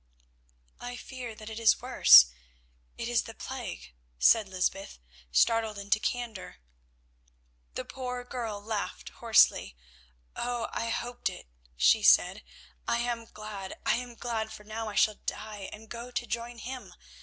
"I fear that it is worse; it is the plague," said Lysbeth, startled into candour. The poor girl laughed hoarsely. "Oh! I hoped it," she said. "I am glad, I am glad, for now I shall die and go to join him.